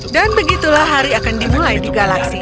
dan begitulah hari akan dimulai di galaksi